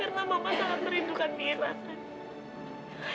karena mama sangat merindukan mira